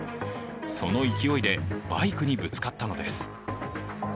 その勢いでバイクにぶつかったのです。